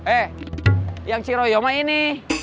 eh yang ciroyom mah ini